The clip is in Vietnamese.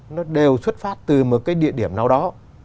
nó đều xuất phát từ một cái địa điểm nào đó